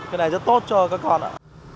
cái này rất tốt cho các con ạ